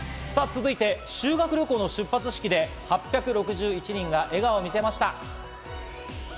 続いて修学旅行の出発式で８６１人が笑顔を見せました。